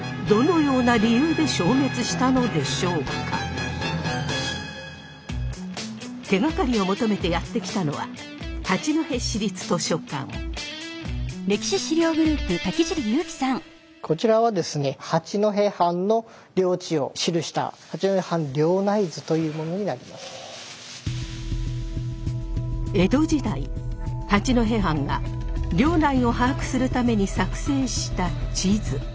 だとすれば手がかりを求めてやって来たのはこちらはですね江戸時代八戸藩が領内を把握するために作成した地図。